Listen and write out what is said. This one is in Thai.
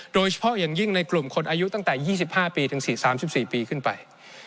โดยเฉพาะอย่างยิ่งในกลุ่มคนอายุตั้งแต่๒๕ปีถึง๔๓๔ปีขึ้นไป